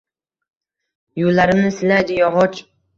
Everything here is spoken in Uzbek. Yularimni silaydi yogʻoch.